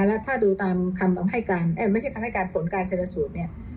แล้วถ้าดูตามคำให้การไม่ใช่คำให้การผลการชนสูตรเนี่ย